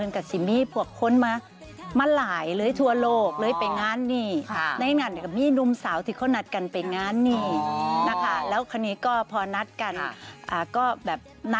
กระจังสั่นละมันก็จะหล่ำไปสิน้ำตาใช่ถูกว่าเป็นเทศกาลใหญ่ของส่วนอีสานเขาเนอะ